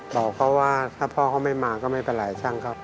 บอกเขาว่าถ้าพ่อเขาไม่มาก็ไม่เป็นไรช่างเขา